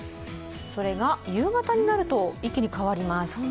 それが夕方になると一気に変わります。